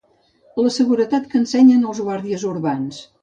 La seguretat que ensenyen els guàrdies urbans.